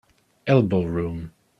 Elbow room